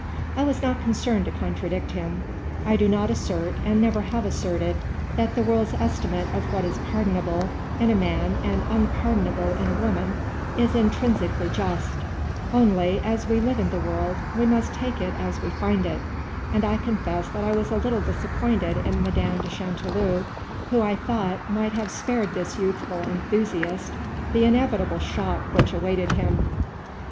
I was not concerned to contradict him ; I do not assert, and never have asserted, that the world's estimate of what is pardonable in a man and unpardonable in a woman is intrinsically just ; only, as we live in the world, we must take it as we find it ; and I confess that I was a little disappointed in Madame de Chanteloup, who, I thought, might have spared this youthful enthusiast the in evitable shock which awaited him.